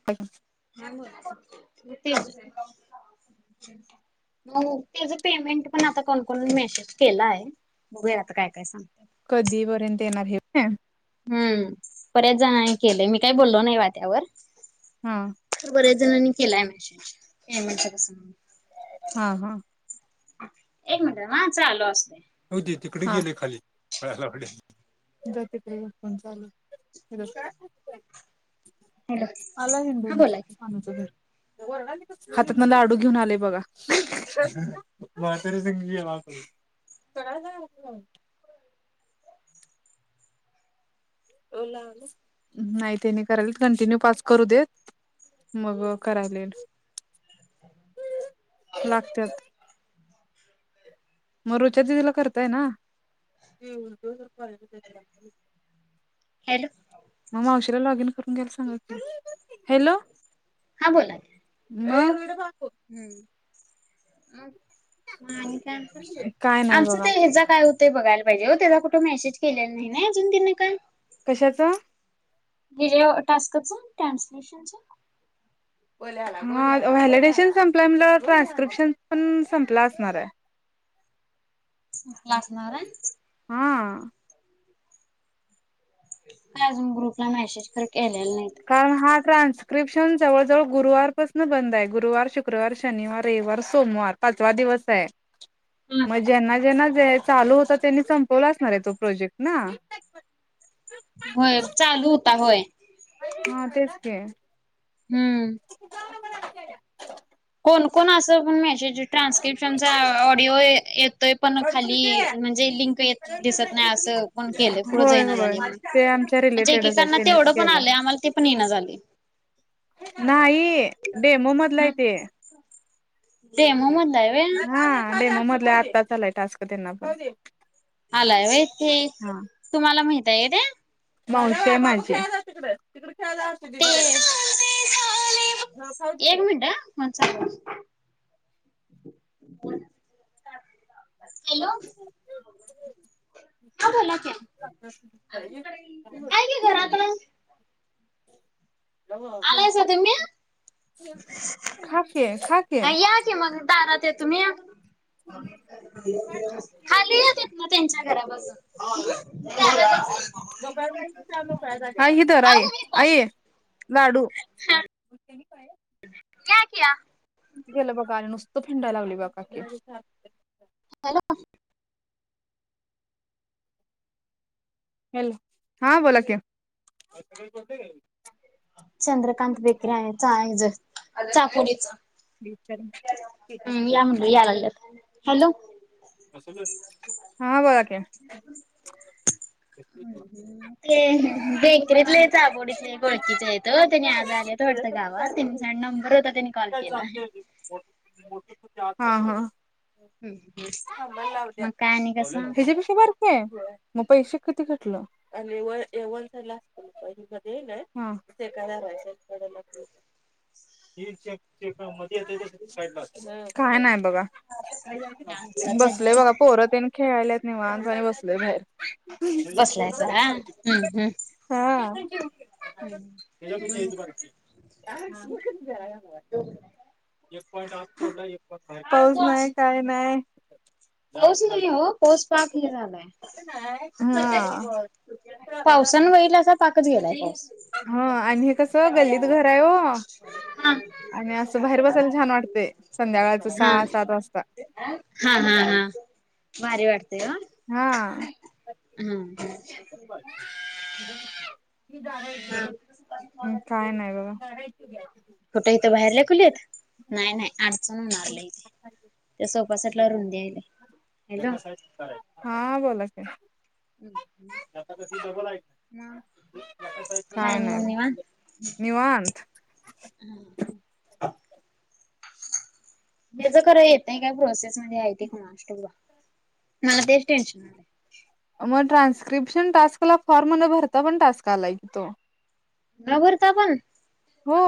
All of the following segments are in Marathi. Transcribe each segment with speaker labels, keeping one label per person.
Speaker 1: [unintelligible]
Speaker 2: [unintelligible] मग त्याचं पेमेंट पण, आता कोणकण मेसेज केलाय [unintelligible] आता, काय काय सांग
Speaker 1: कधी पर्यंत येणार हे पे
Speaker 2: हम्म... बऱ्याच जणांनी केलेय... मी काही बोललो नाही बा त्यावर
Speaker 1: हा
Speaker 2: तर बऱ्याच जणांनी केलाय... [unintelligible] पेमेंट आल्याचं
Speaker 1: हा हा
Speaker 2: एक मिनिट... हा... चालू असू दे
Speaker 1: होय, ते तिकडं गेलं खाली [unintelligible] जा, तिकडं जा... फोन चालू ए.... [unintelligible]
Speaker 2: हॅलो
Speaker 1: आला
Speaker 2: हा
Speaker 1: हिंडून त्यो
Speaker 2: बोला की
Speaker 1: [unintelligible] घरी [inaudible] हा तिथनं लाडू घेऊन आलंय बघा म्हाताऱ्यासंग गेला असल [unintelligible] [unintelligible] नाई, तेनी करायलेत... कंटिन्यू पाच करू देत मग करायलेट.... लागत्यात मग रुच्या दिदीला करताय ना?
Speaker 2: हॅलो
Speaker 1: [unintelligible] मग मावशीला लॉग इन करून घ्यायला सांगा की.... हॅलो
Speaker 2: हा बोला
Speaker 1: मग
Speaker 2: ह... मग आणि काय?
Speaker 1: काय नाही
Speaker 2: आमचं
Speaker 1: बघा
Speaker 2: ते ह्याचं काय होतंय बघायला पाहिजे हो, त्याचा कुठं मेसेज केलेला नाई ना अजून त्याने काई
Speaker 1: कशाचं?
Speaker 2: हे जे टास्कच ट्रान्सलेशनच.
Speaker 1: मग व्हॅलिडेशन संपलंय म्हलं... ट्रान्स्क्रिप्शन पण संपलं असणार ए
Speaker 2: [unintelligible]
Speaker 1: हां.
Speaker 2: काय अजून ग्रुपला मेसेज पण केलेला नाही.
Speaker 1: कारण हा ट्रान्स्क्रिप्शन जवळजवळ गुरुवारपासून बंद आहे गुरुवार, शुक्रवार शनिवार, रविवार, सोमवार पाचवा दिवस आहे. मग ज्यांना ज्यांना जे चालू होत त्यांनी संपवला असणार आहे तो प्रोजेक्ट ना.
Speaker 2: होय चालू होता होय.
Speaker 1: हां तेच की.
Speaker 2: हम्म. कोण कोण अस पण मेसेज ट्रान्स्क्रिप्शनचा ऑडिओ येतोय पण खाली म्हणजे लिंक येत दिसत नाही असं पण केलं पुढं
Speaker 1: होय
Speaker 2: जाईना
Speaker 1: होय
Speaker 2: झाली
Speaker 1: ते आमच्या
Speaker 2: म्हणजे
Speaker 1: रिलेटेडच आहे
Speaker 2: एकेकांना
Speaker 1: त्यांनीच
Speaker 2: तेवढं पण आलंय
Speaker 1: केलंय
Speaker 2: आम्हांला ते पण येइना झालय.
Speaker 1: नाही डेमो मधल हाय
Speaker 2: हम्म.
Speaker 1: ते.
Speaker 2: डेमो म्हणत्यात
Speaker 1: हां डेमो मधला आत्ताच आलाय टास्क त्यांना पण.
Speaker 2: आलाय होय ते
Speaker 1: हा
Speaker 2: तुम्हांला माहित आहेेत.
Speaker 1: मावशी आहे माझी.
Speaker 2: ते एक मिनट हं फोन चालु राहुदे. हॅलो हां बोला की हाय की घराकड.
Speaker 1: [unintelligible] खा की खा की
Speaker 2: काय या की मग दारात आहे तुम्ही या. खाली या तितन त्यांच्या घरापासून. [unintelligible]
Speaker 1: हां ही धर आई
Speaker 2: आओ
Speaker 1: लाडू.
Speaker 2: [inaudible] या की आत.
Speaker 1: केलं बघा आणि नुसत हिडाय लागली बघा
Speaker 2: हॅलो
Speaker 1: हॅलो हां बोला की.
Speaker 2: चंद्रकांत बेकरी आहे चाळण ज चापुरीच. म्हणलं
Speaker 1: [unintelligible]
Speaker 2: या लागल्यात. हॅलो
Speaker 1: हा बोला की
Speaker 2: ते बेकरीतले चाबोडीतले ओळकीच हायेतं त्यांनी आज आले त वाटतं गावात त्यांचा नंबर होता त्यांनी कॉल केलाय.
Speaker 1: हां हां.
Speaker 2: हम्म मग काय आणि कसं?
Speaker 1: हेच्या पेक्षा पण मग पैसे कधी कटलं [unintelligible] काय नाही बघा.
Speaker 2: आमचा चंदे
Speaker 1: बसलोय बघा
Speaker 2: तिकडं
Speaker 1: पोर तेन खेळाल्यात निवांत वानी बसलोय बाहेर.
Speaker 2: बसलायसां हं हम्म हम्
Speaker 1: हां.
Speaker 2: हम्म मग
Speaker 1: [unintelligible] पाऊस नाही काय नाही
Speaker 2: पाऊस नाही हो पाोस पाक हे झालाय
Speaker 1: हा
Speaker 2: पावसान वईल असा पाकच गेलाय पाऊस
Speaker 1: ह आणि हे कसं गल्लीत घर आहे हो
Speaker 2: हा
Speaker 1: आणि असं बाहेर बसायला छान वाटते संध्याकाळच
Speaker 2: हा
Speaker 1: सहा सात वाजता
Speaker 2: हा हा हा भारी वाटतेय
Speaker 1: हा
Speaker 2: हा
Speaker 1: [inaudible] म्
Speaker 2: हा.
Speaker 1: काय नाही बाबा
Speaker 2: फोटं इथं बाहेरला कुलीत नाही नाही आठचण होणारल इथे तस बसटल्यावररून्याले
Speaker 1: हा बोलाच
Speaker 2: मग काय
Speaker 1: का
Speaker 2: आणि
Speaker 1: नाही निवांत
Speaker 2: हम् ह त्याच खरं येत नाही काय प्रोसेस मध्ये आहे ते ख मा असट मला तेच टेन्शन
Speaker 1: मग ट्रान्स्क्रिप्शन टास्ककाला फॉर्ममध्ये भरता पण टास्काला एक तो
Speaker 2: घबरता पण
Speaker 1: हो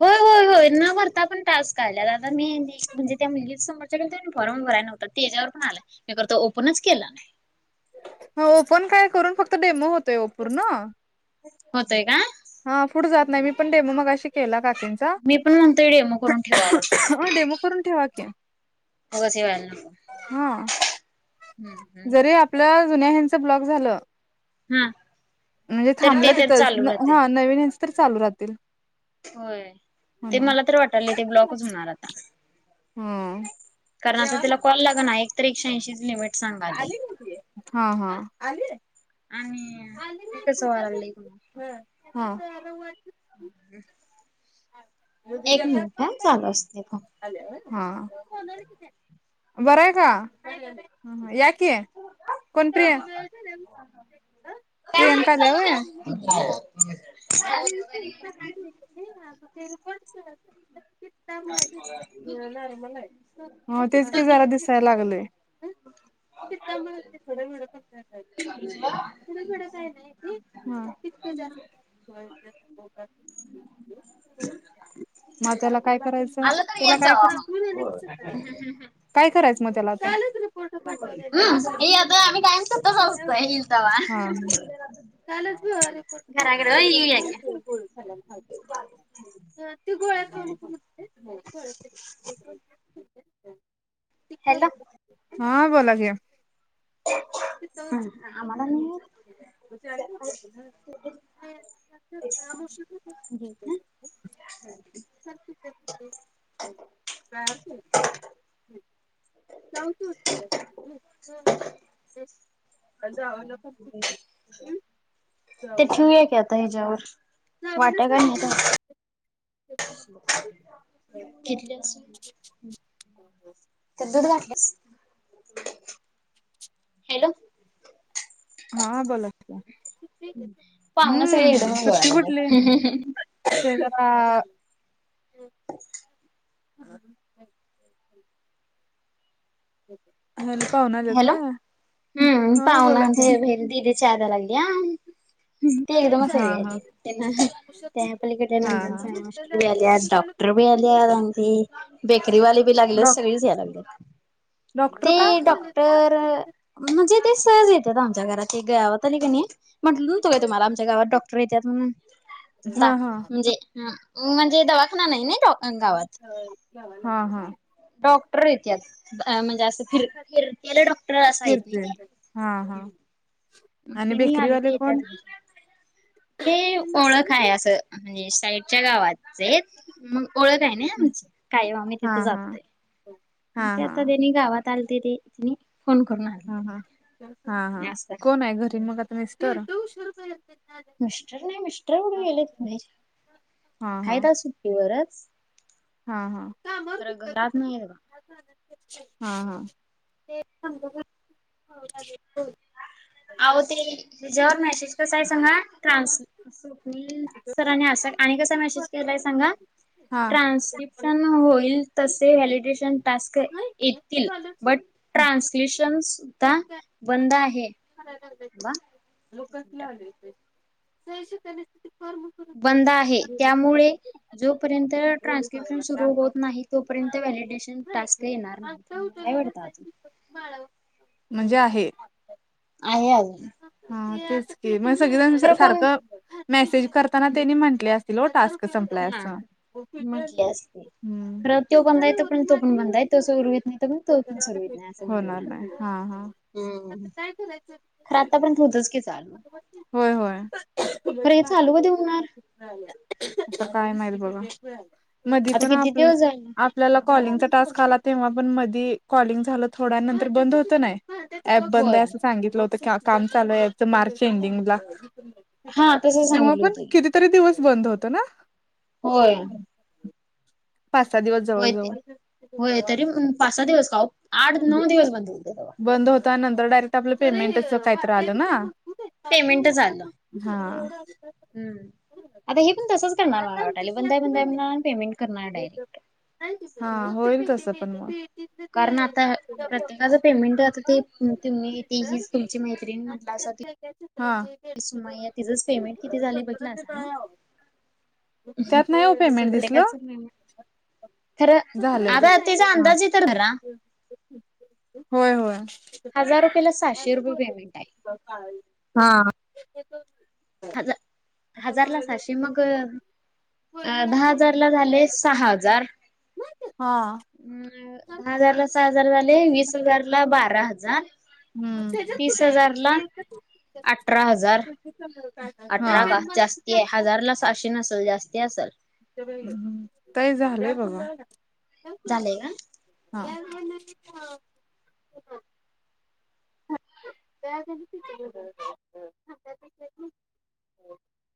Speaker 2: होय होय होय कोैरना भरता पण टास्क आल्यात आता मी म्हणे त्या मुलीीं समोरच्याे भरून भराय नव्हता त्याच्यावर पण आला मी करत ओपनच केला ना
Speaker 1: ह ओपन काय करून फक्त डेमो होतय ओपोर ना
Speaker 2: होतय का
Speaker 1: हा पुढे जात नाही मी पण ते म मग अशी केला काकीची
Speaker 2: मी पण म्हणतोय डेमो करून ठेवावा
Speaker 1: हा डेमो करून ठेवाक्या
Speaker 2: होग सिवाय नक हम्म हम्
Speaker 1: आपलं जुन्या हच ब्लॉक झालं
Speaker 2: हम्म
Speaker 1: म्हणजे थांबलं तिथंच हा नवीन हच तर चालू राहतील
Speaker 2: होय ते
Speaker 1: म्हणून
Speaker 2: मला तर वाटाले ते ब्लॉकच होणार आता
Speaker 1: हा
Speaker 2: कारणता तिला कॉल लाग ना एक तर एकशऐंशीच निवट
Speaker 1: आली हा हा आली
Speaker 2: आणि हे कसं वालंय तुमला
Speaker 1: ह
Speaker 2: हे एक मिनिट चालू असते
Speaker 1: हा बरं आहे का ह याक कोण प्रि
Speaker 2: ह हा
Speaker 1: प्रियंका दवे
Speaker 2: ह
Speaker 1: बर िलार्मला आहे हो तेच की जरा दिसायला लागलेय चिांब ड घड पड काही नाय ते इत [inaudible] मग त्याला काय करायचं
Speaker 2: आलं तर
Speaker 1: त्याला
Speaker 2: येत
Speaker 1: काय
Speaker 2: जावा
Speaker 1: कराय
Speaker 2: मग
Speaker 1: का काय करायचं मग त्याला
Speaker 2: हम् हे आता आम्ही टाईम सतच असतोय हिलतावा
Speaker 1: हा [unintelligible]
Speaker 2: घरगड ये्याक [unintelligible]
Speaker 1: ते गोळ्या खाऊ नको म्हणते. हो.
Speaker 2: हॅलो.
Speaker 1: हा बोला की.
Speaker 2: हा आम्हाला नाही येत. [unintelligible]
Speaker 1: सर तिथं. [unintelligible] [unintelligible] [unintelligible]
Speaker 2: ते ठेऊया का आता ह्याच्यावर. वाट्या
Speaker 1: [unintelligible]
Speaker 2: [unintelligible] घेतल असल त्यात दूध घातलस. हॅलो.
Speaker 1: हा बोोलात का?
Speaker 2: पाहना सगळे एढ म्हण गोळा
Speaker 1: कुठली
Speaker 2: झाल्यात [unintelligible]
Speaker 1: ते [unintelligible] ह हेल्पव ना [unintelligible]
Speaker 2: हॅलो हम्म पाहुन्यान
Speaker 1: की
Speaker 2: दिदी चहा करानल्यान. ते एकदमच
Speaker 1: हा
Speaker 2: सगळे
Speaker 1: हा
Speaker 2: आले त्यांना ते आपल्याकडे
Speaker 1: हा
Speaker 2: नंदन
Speaker 1: हा
Speaker 2: सय मास्री आले आहेत डॉक्ट फॅक्टरी आल्या आणि त बेकरीवाली बी लागलेत
Speaker 1: डॉ
Speaker 2: सगळीच या लागली
Speaker 1: डॉक्टर का?
Speaker 2: तर म्हणजे ते सहज येतात आमच्या घरात ते गावात आली का नाही. म्हंटलं न्हतो काय तुम्हाला आमच्या गावात डॉक्टर येत म्हणून द
Speaker 1: हा हा
Speaker 2: म्हणजे हम म्हणजे दवाखाना नाही तो.
Speaker 1: हा हा.
Speaker 2: डॉक्टर येत्यात म्हणजे असं फिर फिर
Speaker 1: फिरते हा हा.
Speaker 2: मग
Speaker 1: आणि
Speaker 2: त्यांनी
Speaker 1: बेकरी
Speaker 2: आलं की
Speaker 1: वालेपण
Speaker 2: येत्यात ते ओळख आहे असं म्हणजे साईडच्या गावचे मग ओळख आहे ना आमची कायम आम्ही
Speaker 1: हा
Speaker 2: तिथं
Speaker 1: हा
Speaker 2: जातोय.
Speaker 1: हा
Speaker 2: मग ते
Speaker 1: हा
Speaker 2: आता त्यानी गावात आल त ते तिने फोन करून आले.
Speaker 1: हा हा हा हा
Speaker 2: असं
Speaker 1: कोण आहे घरी मग आता मिस्टर
Speaker 2: मिस्टर नाही मिस्टर कुठे गेलेत
Speaker 1: हा
Speaker 2: आहेत आज सुट्टीवरच.
Speaker 1: हा हा.
Speaker 2: खरं घरात नाहीत बघा
Speaker 1: हा हा.
Speaker 2: आहो ते जर नाही पुसायचना ते ट्रान्स. स्वप्नील सरांने असा आणि कसा मेसेज केलाय सांगा.
Speaker 1: हा
Speaker 2: ट्रान्स्क्रिप्शन होईल तसे व्हॅलिडेेशन टास्कये. येतील बट
Speaker 1: हा
Speaker 2: ट्रान्सलेशन सुद्धा बंद आहे. थांबा एक मिनिट
Speaker 1: [unintelligible]
Speaker 2: बंद आहे त्यामुळे जोपर्यंत ट्रान्स्क्रिप्शन सुरू होत नाही तोपर्यंत व्हॅलिडेशन टास्क काही येणार नाही.
Speaker 1: म्हणजे आहे.
Speaker 2: [unintelligible]
Speaker 1: हा तेच की मग सगळेजण
Speaker 2: खरं कोण
Speaker 1: सारखं मेसेज करताना त्यांनी म्हटले अस. तिलो टास्क संपलाय अस.
Speaker 2: हा खर तो बंदा आहे तर पण तो पण बंदा आहे तो सुरूवत नाही तर पण तो पण सुरूवत नाही असं मु
Speaker 1: होणार हा हा
Speaker 2: हम्म खरं आता पण तोतच की चालू
Speaker 1: होय होय
Speaker 2: खरं हे चालूव देऊणार
Speaker 1: आ काय माल बघा मधी
Speaker 2: आता
Speaker 1: पण
Speaker 2: किती
Speaker 1: आप
Speaker 2: दिवस झाले
Speaker 1: आपल्याला
Speaker 2: बंद
Speaker 1: कॉलिंगचा टास्क आला तेव्हा पण मधी कॉलिंग झालं थोड नंतर बंद होत नाही ऍप बंद
Speaker 2: होय
Speaker 1: आहे असं सांगितलंत चालूच मार्च एडिंग
Speaker 2: हा तसं
Speaker 1: तेव्हा
Speaker 2: सांगितलं
Speaker 1: पण
Speaker 2: होतं की
Speaker 1: तरी दिवस बंद होत ना
Speaker 2: होय
Speaker 1: पाचहा दिवस जवळ
Speaker 2: होय ते
Speaker 1: जवळ
Speaker 2: होय तरी पाच सहा दिवस का आठ नऊ दिवस बंद बोलते तेव
Speaker 1: बंद होता नंतर डायरेक्ट आपलं पेमेंटच काहीत राहिलं ना
Speaker 2: पेमेंट आलं्
Speaker 1: हा
Speaker 2: आता हे पण तसच णारटल बंद ब पेमें करणार डाररी
Speaker 1: हा होईल कसं पण मग
Speaker 2: कारण आता प्रत्येकाच पेमेंट आता ते तुम्ही ते हीच तुमची मैत्रीिणी म्हटलं अस
Speaker 1: हा
Speaker 2: मा तिचंच पेमेंट किती झाले बघला स
Speaker 1: त्यात नाही हो
Speaker 2: असं
Speaker 1: पेमेंट दिसलं
Speaker 2: प्रतकाचंळ खर
Speaker 1: झालंय
Speaker 2: आता तिचा
Speaker 1: हा
Speaker 2: अंदाज य तररा
Speaker 1: होय होय
Speaker 2: हजार रुपयाला सहाशे रुपये पेमेंट आहे
Speaker 1: हा
Speaker 2: हजार हजार ला सहाशे मग दहा हार ला झाले सहा हजार
Speaker 1: हा
Speaker 2: अ दहा हजारला सहा हजार झाले वीस हजारला बारा हजार
Speaker 1: त्याच्यात
Speaker 2: तीस
Speaker 1: कुठे
Speaker 2: हजार ला
Speaker 1: आहे
Speaker 2: अठरा हजार
Speaker 1: [inaudible]
Speaker 2: अठरा का जास्ती आहे हजारला सहाशे नसेल जास्ती असेल
Speaker 1: तही झालंय बघा
Speaker 2: झालंय का
Speaker 1: [inaudible] [inaudible]